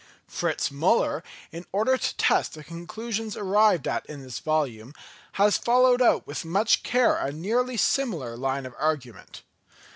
Fritz Müller, in order to test the conclusions arrived at in this volume, has followed out with much care a nearly similar line of argument.